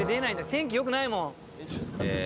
天気よくないもん。